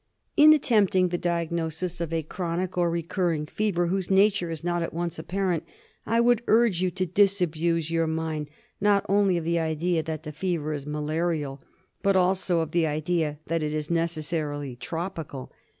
In attempting the diagnosis of a chronic or re curring fever whose nature is not at once apparent, I would urge you to disabuse your mind not only of the idea that the fever is malarial, but also of the idea that it is necessarily tropical.